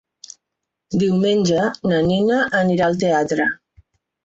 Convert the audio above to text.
Diumenge na Nina anirà al teatre.